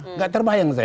tidak terbayang saya